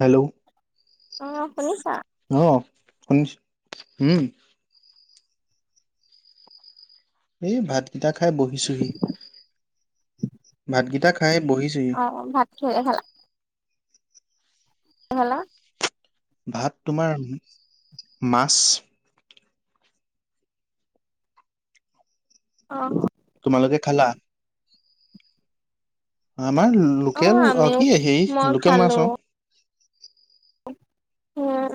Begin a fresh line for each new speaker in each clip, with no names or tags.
Hello.
অ শুনিছা?
অ শুনিছো উম। এই ভাতকেইটা খাই বহিছোহি। ভাতকেইটা খাই বহিছোহি।
অ ভাত কিহেৰে খালা? হেলল'?
ভাত তোমাৰ মাছ
অ।
তোমালোকে খালা? আমাৰ লোকেল অ কি সেই
মই
লোকেল মাছ
খালো।
অ।
উম।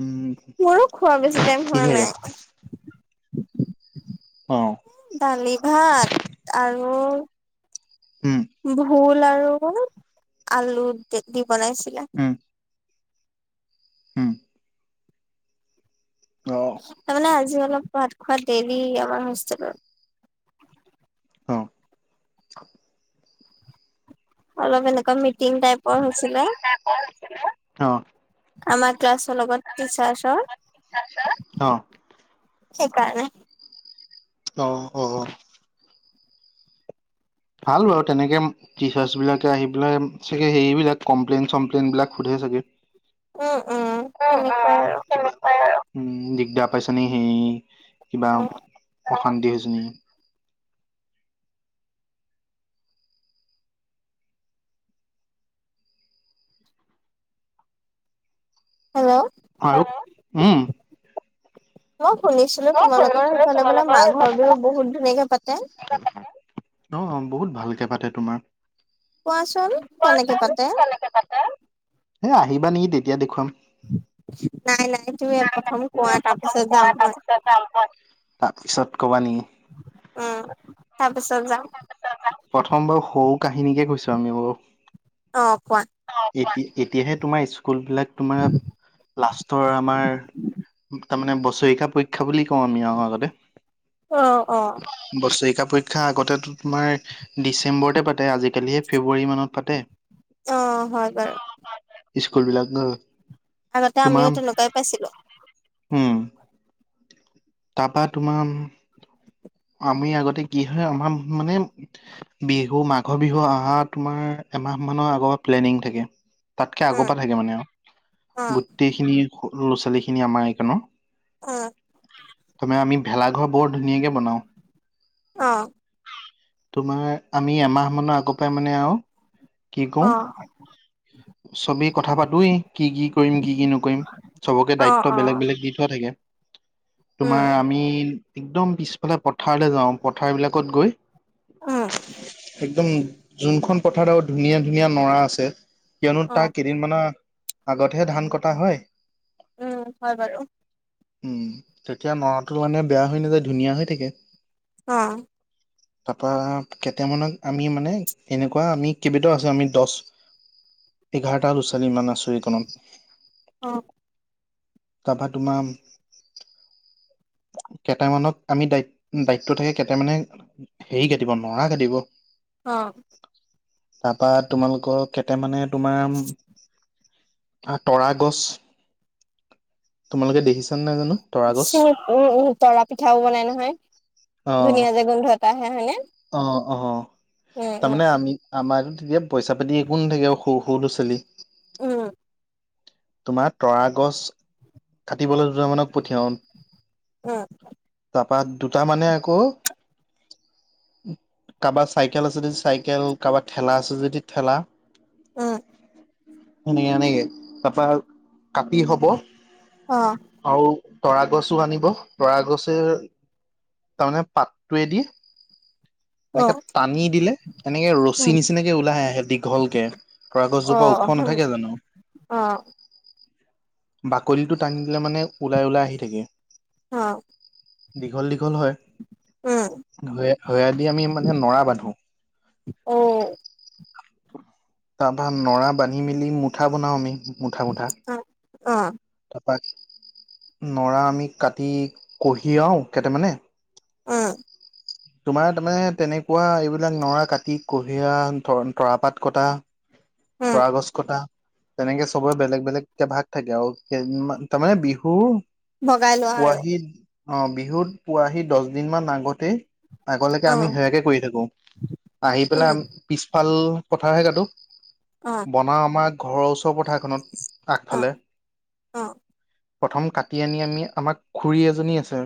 উম
মোৰো খোৱা বেছি টাইম হোৱা
কিহেৰে
নাই।
অ।
দালি ভাত আৰু
উম
ভোল আৰু আলু দি দি বনাইছিলে।
হম।
তাৰ মানে আজি অলপ ভাত খোৱাত দেৰি আমাৰ হোষ্টেলত।
অ
অলপ এনেুৱা মিটিং াইপৰ হৈছিল
অ
আমাক ক্লাছৰ লগত টিচাৰছৰ
অ
সেইকাৰণে
অ অ ভাল বাৰু তেনেকে টিচাৰ্চ বিলাকে আহি পেলাই চাগে সেইবিলাক কমপ্লেইন চমপ্লেইন বিলাক সোধে চাগে
উম, উম, তেনেকুৱাই আৰু।
উম দিগদাৰ পাইছা ন সেই কিবা অশান্তি সজনী
হেল্ল'
হয় উম
মই শুনিছিলো
মই
তোমালোকৰ
শুনিছিলো
সেইফালে বোলে
তোমালোকৰ
মা ঘৰ বি বহুত ধুনীয়াকে পাতে
উ অঁ অঁ বহুত ভালকৈ পাতে তোমাৰ
কোৱাচোন কেনেকে
কোৱাচোন
পাতে
কেনেকে পাতে? এ আহিবা নেকি তেতিয়া দেখুৱাম
নাই নাই তুমি এপথম কোৱা তাৰপ
তাৰ পিছত কবা নেকি
উম তাৰপিছত যাম
প্ৰথম বাৰু সৰু কাহিনীকে কৈছো আমি বাৰু
অ কোৱা,
এতি-এতিয়াহে তোমাৰ স্কুল বিলাক, তোমাৰ লাষ্টৰ আমাৰ তাৰ মমানে বছৰেকা পৰীক্ষা বুলি কওঁ আমি আহৰ আগতে,
অ, অ,
বছৰিকা পৰীক্ষা আগতে টো তোমাৰ ডিচেম্বৰতে পাতে আজিকালিহে ফেব্ৰুৱাৰী মানত পাতে।
অ, হয় বাৰু।
স্কুল বিলাক [inaudible]
আগতে
তোমাৰ
আমিও তেনেকুৱাই পাইছিলোঁ।
উম, তাৰপা তোমাৰ আমি আগতে কি হয় আমাৰ মানে, বিহু মাঘৰ বিহু অহা তোমাৰ এমাহ মানৰ আগৰ প্লেনিং থাকে। তাতকে আগৰ
উম
পৰা থাকে মানে
অ
আৰু। গোটেইখিনি ল'ৰা ছোৱালী খিনি আমাৰ এইকণনৰ।
অ,
তাৰমানে আমি ভেলাঘৰ বৰ ধুনীয়াকে বনাও,
অ,
তোমাৰ আমি এমাহ মানৰ আগৰ পৰাই মানে আৰু কি
অ,
কওঁ চবেই কথা পাতোয়েই, কি কি কৰিম কি কি নকৰিম। চবকে
অ
দায়িত্ব
অ
বেলেগ বেলেগ দি থোৱা থাকে।
উম
তোমাৰ আমি একদম পিছফালে পথাৰলৈ যাওঁ পথাৰ বিলাকত গৈ,
উম
একদম যোনখন পথাৰ আৰু ধুনীয়া ধুনীয়া নৰা আছে, কিয়নো
অ
তাৰ কেইদিনমানানৰ আগতহে ধান কটা হয়,
উম, হয় বাৰু।
উম, তেতিয়া নৰাটো মানে বেয়া হৈ নাযায় ধুনীয়া হৈ থাকে।
অ,
[unintelligible] তাৰাপৰা কেইটামানক আমি মানে এনেকুৱা আমি কেইবটাও আছোঁ আমি দহ এঘাৰটা ল'ৰা ছোৱালী মান আছোঁ এইকনত।
অ,
তাৰাপা তোমাৰ কেইটামানক আমি দায়িত-দায়িত্ব থাকে কেইটামানে হেৰি কাটিব নৰা কাটিব,
অ,
তাৰপা তোমালোকৰ কেইটা মানে তোমাৰ আৰু তৰা গছ, তোমালোকে দেখিছানে নাই জানো? তৰা গছ
[inaudible] উম, উম তৰা পিঠাও বনাই নহয়, ধুনীয়া যে গোন্ধ এটা আহে হয়নে?
অ, অ,
উম উম
তাৰমানে আমি আমাৰতো তেতিয়া পইচা পাতি একো নাথাকে সৰু সৰু ল'ৰা ছোৱালী,
উম,
তোমাৰ তৰা গছ কাটিবলৈ দুটা মানক পঠিয়াও,
অ,
তাৰাপা দুটা মানে আকৌ কাৰোবাৰ চাইকেল আছে যদি চাইকেল কাৰোবাৰ ঠেলা আছে যদি ঠেলা,
উম
সনেকে এনেকে তাৰপা কাটি হব
অ,
আৰু তৰা গছোঁ আনিব তৰা গছে তাৰমানে পাতটোৱে দি
অ
এনেকে টানি দিলে তেনেকে ৰছী
উম
নিচিনাকে ওলাইে আহে দীঘলকে পৰা
অ
গছজোপা ওখ নাথাকে জানো
অ
বাকলিটো টান দিলে মানে ওলাই ওলাই আহি থাকে
অ
দীঘল দীঘল হয়
উম
সয়া দি আমি মানে নৰা বান্ধো
অ
তাৰ পৰাৰা নৰা বান্ধি মেলি মুঠা বনাও আমি মুঠা মুঠা
অ অ
ত নৰা আমি কাটি কঢ়ি আও কেইটামানে
অ
তোমাৰ তাৰ মানে তেনেকুৱা এইবিলাক নৰা কাটি কুঁহিয়া তৰাপাত কটা
উম
পৰাাগছ কটা তেনেকে চবৰে বেলেগ বেলেগ এ ভাগ থাকে আৰু তাৰমানে বিহু
ভগাই লোৱা আৰু
পোৱাহি আহ বিহুত পোৱাহি দহ দিন মান আগতে আগলৈকে
অ
আমি সেয়াকে কৰি থাকো আহি
উম
পেলাই পিছফাল কথা হে কটো
অ
বনাও আমাৰ ঘৰৰ ওচৰ পথাৰখনত
অ
আগফালে
অ
প্ৰথম কাটি আনি আমি আমাৰ খুৰী এজনী আছে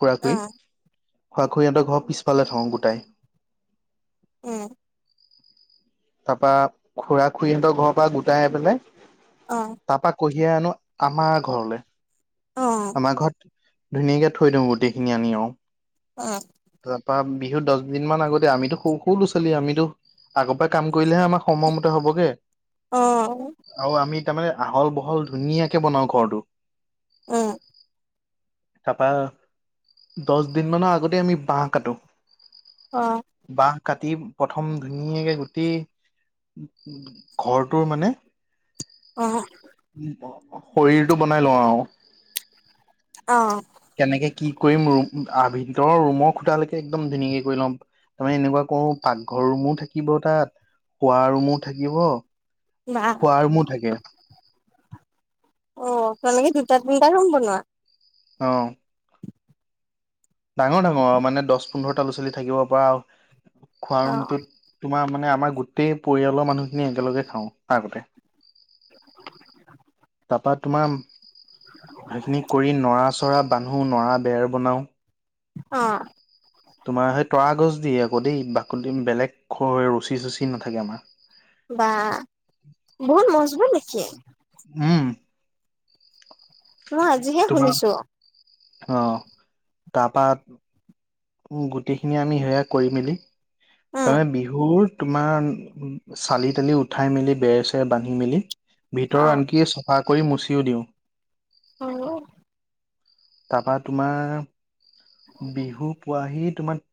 খুৰা
অ
খুৰী খোৱা খু সিহঁৰ ঘৰ পিছফালে থাকওঁ গোটাই
উম
তাৰ পৰাা খুৰা খুৰীহঁতৰ ঘৰৰ পৰা গোটাই আহি পেলাই
অ
তাৰপা কঢ়িয়াই আনো আমাৰ ঘৰলৈ
অ
আমাৰ ঘৰত ধুনীয়াকে থৈ দিওঁ গোটেইখিনি আনি আৰু
অ
তাৰপৰা বিহুৰ দহ দিন মমান আগতে আমিতো স সৰু ল'ৰা ছোৱালী আমিতো আগৰ পৰা কাম কৰিলেহে আমাৰ সময়মতে হ'বগে
অ
আৰু আমি তাৰমানে আহল বহল ধুনীয়াকে বনাও ঘৰটো
অ
তাপা দহ দিন মানৰ আগতে আমি বাহ কাটো
অ
বাহ কাটি প্ৰথম ধুনীয়াকে গুটি ঘৰটোৰ মানে
অ
শৰীৰটো বনাই লওঁ আৰু
অ
কেনেকে কি কৰিম ম ভিতৰৰ ৰুমৰ খুটালৈকে একদম ধুনীয়াকে কৰি ল'ম তাৰমানে এনেকুৱা কৰো পাকঘৰ ৰুমো থাকিব তাত খোৱা ৰুমো থাকিব
বা
খোৱা ৰুমো থাকে
অ তেনেকে দুটা তিনিটা [unintelligible] বনোৱা
অ ডাঙৰ ডাঙৰ আহ মানে দহ পোন্ধৰটা লৰা ছোৱালী থাকিব পৰা খোৱা
অ
ৰুমটোত তোমাৰ মানে আমাৰ গোটেই পৰিয়ালৰ মানুহখিনি একেলগে খাওঁ আ আগতে
[inaudible]
বা তোমাৰ সেইখিনি কৰি নৰা চৰা বান্ধো নৰা বেৰ বনাও
অ
তোমাৰ সেই তৰা গছ দিয়ে আকৌ দেই বাকলি বেলেগ ৰচী চচি নাথাকে আমাৰ
বা বহুত মজবুত নেকি
উম
মই আজিহে
তোমাৰ
শুনিছো
অ তাৰপা গোটেইখিনি আমি সেয়া কৰি মেলি
উম
তাৰমানে বিহুৰ তোমাৰ চালি তালি উঠাই মেলি বেৰ চেৰ বান্ধি মেলি
অ
ভিতৰৰ আনকি চাফা কৰি মচিও দিওঁ।
অ'।
তাৰপা তোমাৰ বিহু পোৱাহি তোমাৰ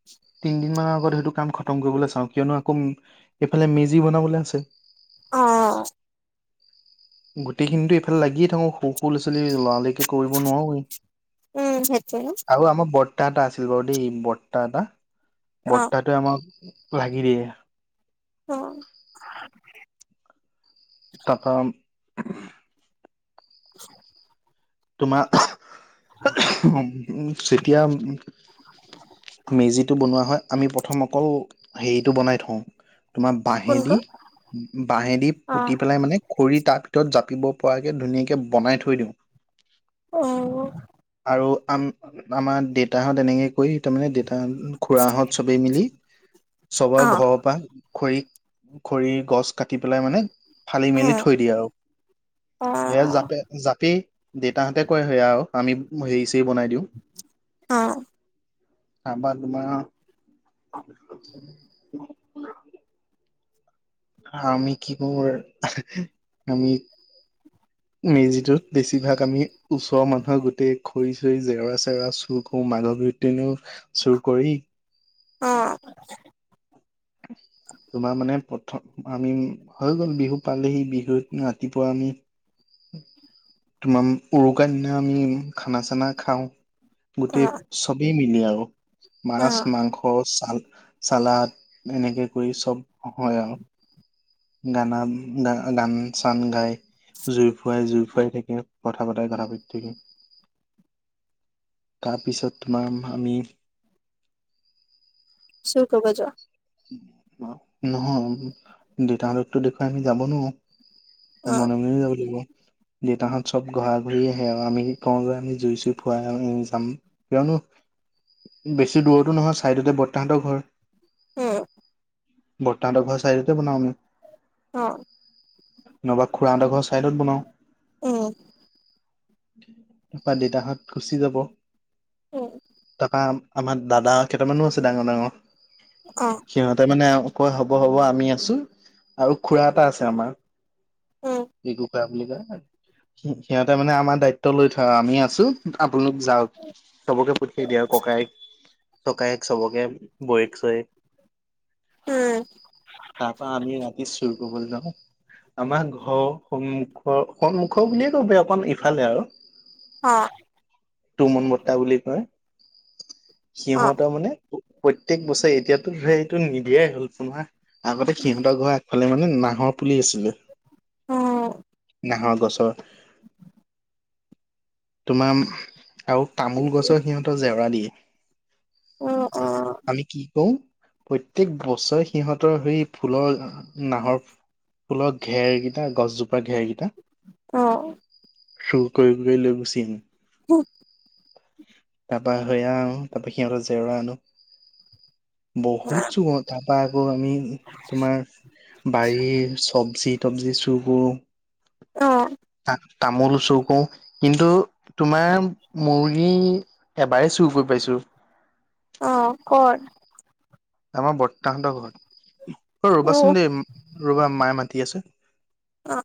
তিনিদিন মানৰ আগত সেইটো কাম খতম কৰিবলৈ চাওঁ কিয়নো আকৌ এইফালে মেজি বনাবলৈ আছে।
অ'।
গোটেইখিনিতো এইফালে লাগিয়ে থাকো সৰু ল'ৰা ছোৱালী লৰালৰিকে কৰিব নোৱাৰোৱেই।
উম, [unintelligible]
আৰু আমাৰ বৰ্তা এটা আছিল বাৰু দেই বৰ্তা এটা
অ
বৰ্তাটো আমাৰ লাগি দিয়ে।
অ'। [unintelligible]
তাৰপা
[inaudible]
তোমাৰ যেতিয়া মেজিটো বনোৱা হয় আমি প্ৰথম অকল হেৰিটো বনাই থওঁ। তোমাৰ
কোনটো
বাহেদি বাহেদি
অ
পুতি পেলাই মানে খৰি তাৰ ভিতৰত জাপিব পৰাকৈ ধুনীয়াকৈ বনাই থৈ দিওঁ
অ'।
আৰু আম আমাৰ দেতাহঁত তেনেকে কৰি তাৰমানে দেতাহ খুৰা হঁত চবেই মিলি চবৰ
অ
ঘৰৰ পৰা খৰি খৰিৰ গছ কাটি পেলাই মানে ফালি মেলি
উম
থৈ দিয়ে আৰু
অ
সেইয়া জাপি জাপি দেউতাহঁতে কৰে সেয়া আৰু আমি হেৰি চেৰি বনাই দিওঁ।
অ
তাৰপা তোমাৰ [inaudible] আমি কি কৰোঁ আমি মেজিটোত বেছিভাগ আমি ওচৰৰ মানুহৰ গোটেই খৰি চৰি জেওৰা চেওৰা চুৰ কৰো মাঘৰ বিহুত এনেও চুৰ কৰেই।
অ'।
[inaudible] তোমাৰ মানে প্ৰথম আমি হৈ গ'ল বিহু পালেহি বিহুত ৰাতিপুৱা আমি তোমাৰ উৰুকাৰ দিনা আমি খানা চানা খাও।
অ
গোটেই চবেই মিলি আৰু মাছ
অ
মাংস চাল চালাড। এনেকে কৰি চব হয় আৰু। গানা গা গান চান গাই জুই ফুৱাই জুই ফুৱাই থাকে। কথা পতাই কথা পাতি থাকি তাৰপিছত তোমাৰ আমি
চুৰ কৰিব যোৱা।
নহয় দেউতা হঁতক দেখুৱাইটো আমি যাব নোৱাৰোঁ। মনে মনেই যাব লাগিব। দেউতাহঁত চব ঘৰা ঘৰি আহে আৰু আমি কওঁ যে আমি জুই চুই ফুৱাই যাম। কিয়নো বেছি দূৰৰতো নহয় ছাইডতে বৰ্তা হঁতৰ ঘৰ।
অ'।
বৰ্তা হঁতৰ ঘৰৰ চাইদতে বনাও আমি।
অ'।
নহবা খুৰা হঁতৰ ঘৰৰ চাইডত বনাওঁ।
উম।
তাৰপৰা দেউতাহঁত গুচি যাব তাৰপা আমাৰ দাদা কেইটামানো আছে ডাঙৰ, ডাঙৰ।
অ'।
সিহঁতে মানে কয় হ'ব, হ'ব আমি আছোঁ আৰু খুৰা এটা আছে আমাৰ। [unintelligible] বুলি কয়, সিহঁতে মানে আমাৰ দায়িত্ব লৈ থয় আৰু আমি আছোঁ। আপোনালোক যাওঁক চবকে পঠিয়াই দিয়ে আৰু ককায়েক। ককায়েক চবকে বৌয়েক চৌয়েক।
উম।
তাৰপা আমি ৰাতি চুৰ কৰিবলে যাওঁ। আমাৰ ঘৰৰ সন্মুখৰ, সন্মুখৰ বুলিয়ে ক'ব অকমান ইফালে আৰু।
অ'।
তুমন বৰ্তা বুলি কয় সিঁহতৰ মানে প্ৰত্যেক বছৰে এতিয়াতোটো [unintelligible] নিদিয়াই হ'ল তোমাৰ, আগতে সিহঁতৰ ঘৰ আগ ফালে মানে নাহৰ পুলি আছিলে।
অ'।
নাহৰ গছৰ তোমাৰ আৰু তামোল গছৰ সিহঁতৰ জেওৰা দিয়ে।
অ', অ'।
আমি কি কৰোঁ প্ৰত্যেক বছৰে সিহঁতৰ সেই ফুলৰ নাহৰ ফু ফুলৰ ঘেৰকিটা গছজোপা ঘেৰকিটা
অ'।
চুৰ কৰি, কৰি লৈ গুচি আহোঁ।
[inaudible]
তাৰপা সেয়া আনো, তাৰপা সিহঁতৰ জেওৰা আনো বহুত চুৰ কৰোঁ তাৰপা আকৌ আমি তোমাৰ বাৰীৰ চবজি তবজি চুৰ কৰোঁ।
অ'।
তা-তামোল চুৰ কৰোঁ, কিন্তু তোমাৰ মুৰ্গী এবাৰেই চুৰ কৰি পাইছোঁ।
অ', ক'ত?
আমাৰ বৰ্তাহঁতৰ ঘৰত, অ, ' ৰ'বাচোন দেই ৰ'বা মায়ে মাতি আছে।
অ'।